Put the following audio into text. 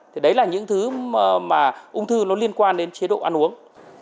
thì đấy là những thứ mà ung thư nó liên quan đến chế độ ăn uống